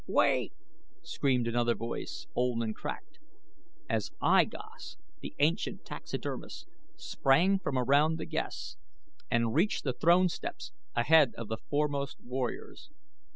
"Wait!" screamed another voice, old and cracked, as I Gos, the ancient taxidermist, sprang from among the guests and reached the throne steps ahead of the foremost warriors.